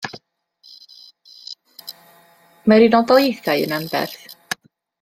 Mae'r Unol Daleithiau yn anferth.